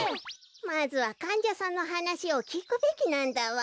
まずはかんじゃさんのはなしをきくべきなんだわ。